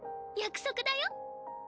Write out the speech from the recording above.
約束だよ。